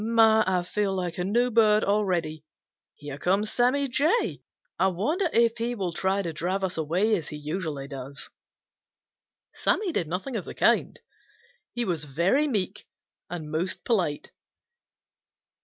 My, I feel like a new bird already! Here comes Sammy Jay. I wonder if he will try to drive us away as he usually does." Sammy did nothing of the kind. He was very meek and most polite.